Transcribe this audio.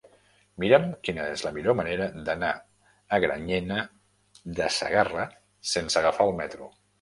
Mira'm quina és la millor manera d'anar a Granyena de Segarra sense agafar el metro.